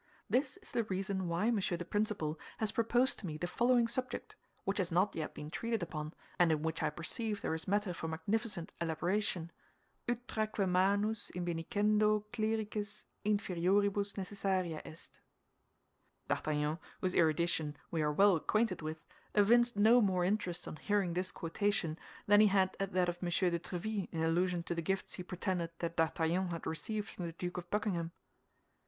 This is the reason why Monsieur the Principal has proposed to me the following subject, which has not yet been treated upon, and in which I perceive there is matter for magnificent elaboration—'Utraque manus in benedicendo clericis inferioribus necessaria est.'" D'Artagnan, whose erudition we are well acquainted with, evinced no more interest on hearing this quotation than he had at that of M. de Tréville in allusion to the gifts he pretended that D'Artagnan had received from the Duke of Buckingham.